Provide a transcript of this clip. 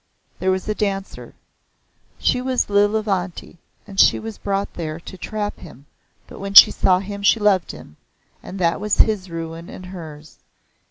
"There was a Dancer. She was Lilavanti, and she was brought there to trap him but when she saw him she loved him, and that was his ruin and hers.